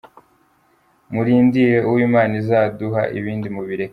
Murindire uwo Imana izaduha ibindi mubireke.